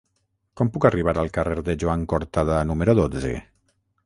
Com puc arribar al carrer de Joan Cortada número dotze?